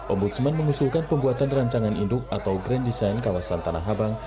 ombudsman mengusulkan pembuatan rancangan induk atau grand design kawasan tanah abang